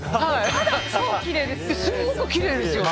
すんごくきれいですよね。